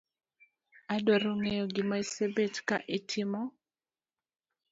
Adwaro ng'eyo gima isebet ka itimo